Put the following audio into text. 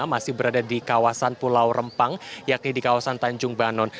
masih berada di kawasan pulau rempang yakni di kawasan tanjung banon